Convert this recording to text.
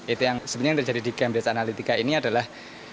itu yang sebenarnya yang terjadi di cambridge analytica ini adalah